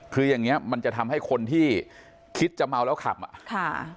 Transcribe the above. คืออย่างเงี้มันจะทำให้คนที่คิดจะเมาแล้วขับอ่ะค่ะ